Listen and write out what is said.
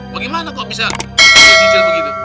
bagaimana kok bisa dia cicil begitu